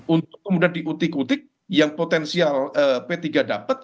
untuk kemudian diutik utik yang potensial p tiga dapat